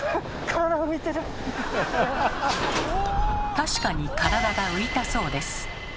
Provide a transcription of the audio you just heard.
確かに体が浮いたそうです。